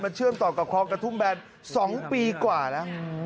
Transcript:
เชื่อมต่อกับคลองกระทุ่มแบน๒ปีกว่าแล้ว